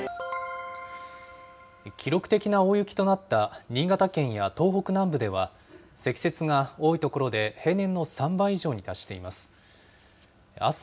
記録的な大雪となった新潟県や東北南部では、積雪が多い所で平年の３倍以上に達しています。